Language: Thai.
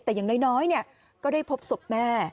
แต่อย่างน้อยก็ได้พบศพแม่